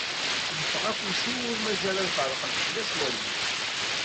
Yeffeɣ afus-iw, ur mazal ad berqent fell-as wallen-iw.